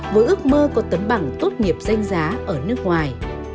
với ước mơ có tấm bằng tốt nghiệp danh giá ở nước ngoài